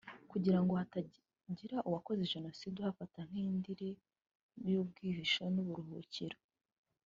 kugira ngo hatazagira uwakoze Jenoside uhafata nk’indiri y’ubwihisho n’uburuhukiro